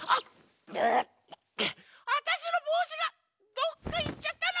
わたしのぼうしがどっかいっちゃったの。